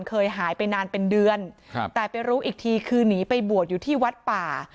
เคยหายไปนานเป็นเดือนครับแต่ไปรู้อีกทีคือหนีไปบวชอยู่ที่วัดป่า